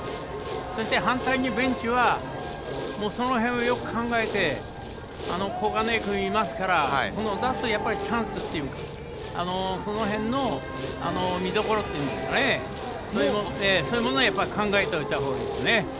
そして、反対にベンチはそのへんをよく考えて小金井君がいますから出す、チャンスといいますかそのへんの見どころそういうものを考えておいたほうがいいですね。